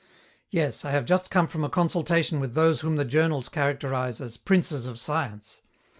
"Yes, I have just come from a consultation with those whom the journals characterize as 'princes of science.'